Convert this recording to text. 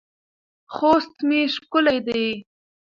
خوست مې ښکلی دی